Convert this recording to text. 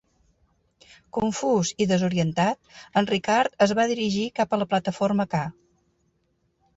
Confús i desorientat, en Ricard es va dirigir cap a la plataforma K.